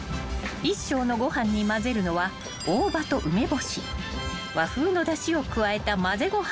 ［１升のご飯にまぜるのは大葉と梅干し和風のだしを加えたまぜご飯］